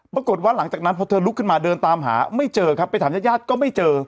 ปรากฏว่าหลังจากนั้นพอเธอลุกขึ้นมาเดินตามหาไม่เจอครับไปถามญาติญาติก็ไม่เจอ